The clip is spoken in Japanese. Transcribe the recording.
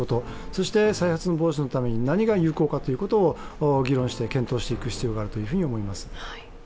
そして再発防止のために何が有効かを議論して検討していく必要があると思います。